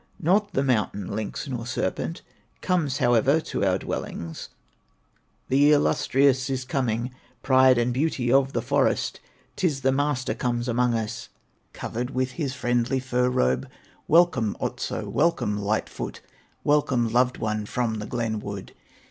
Not the mountain lynx, nor serpent, Comes, however, to our dwellings; The Illustrious is coming, Pride and beauty of the forest, 'Tis the Master comes among us, Covered with his friendly fur robe. Welcome, Otso, welcome, Light foot, Welcome, Loved one from the glenwood!